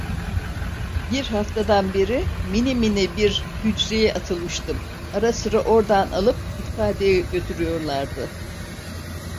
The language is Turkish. Bir haftadan beri minimini bir hücreye atılmıştım, ara sıra ordan alıp ifadeye götürüyorlardı.